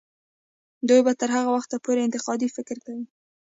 دوی به تر هغه وخته پورې انتقادي فکر کوي.